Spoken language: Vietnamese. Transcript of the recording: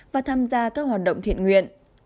và tham gia các hoạt động thiện nguyện